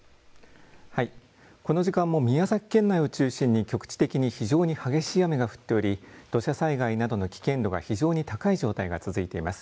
この時間も宮崎県内を中心に局地的に非常に激しい雨が降っており、土砂災害などの危険度が非常に高い状態が続いてます。